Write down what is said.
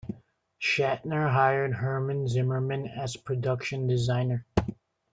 Shatner hired Herman Zimmerman as production designer.